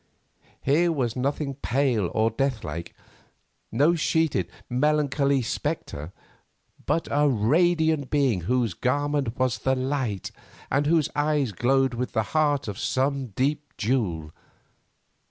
Here was nothing pale or deathlike, no sheeted, melancholy spectre, but a radiant being whose garment was the light, and whose eyes glowed like the heart of some deep jewel.